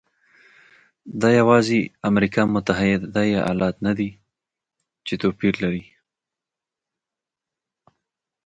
دا یوازې امریکا متحده ایالات نه دی چې توپیر لري.